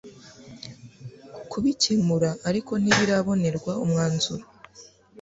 kubikemura ariko ntibirabonerwa umwanzuro